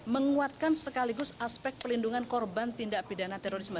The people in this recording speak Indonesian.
menguatkan sekaligus aspek pelindungan korban tindak pidana terorisme